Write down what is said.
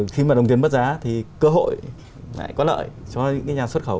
khi mà đồng tiền bất giá thì cơ hội lại có lợi cho những nhà xuất khẩu